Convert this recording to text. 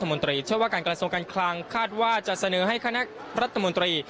มนตรีเชื่อว่าการกระทรวงการคลังคาดว่าจะเสนอให้คณะรัฐมนตรี